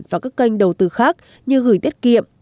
và các kênh đầu tư khác như gửi tiết kiệm